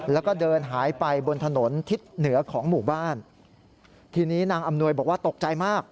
แล้วก็เดินหายไปบนถนนทิศเหนือของหมู่บ้านทีนี้นางอำนวยบอกว่าตกใจมาก